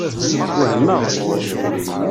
Wehmeɣ.